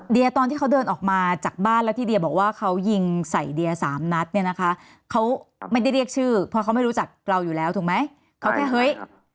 ตอนที่เขาเดินออกมาจากบ้านแล้วที่เดียบอกว่าเขายิงใส่เดียสามนัดเนี่ยนะคะเขาไม่ได้เรียกชื่อเพราะเขาไม่รู้จักเราอยู่แล้วถูกไหมเขาแค่เฮ้ย